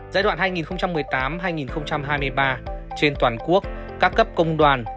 giai đoạn hai nghìn một mươi tám hai nghìn hai mươi ba trên toàn quốc các cấp công đoàn